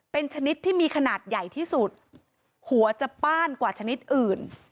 เป็นชนิดที่มีขนาดใหญ่ที่สุดหัวจะป้านกว่าชนิดอื่น